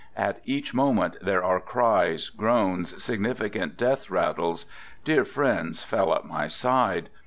At each moment there are cries, groans, significant death rattles; dear friends fell at my side.